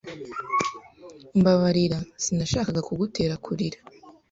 Mbabarira. Sinashakaga kugutera kurira.